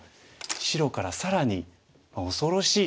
白から更に恐ろしい手。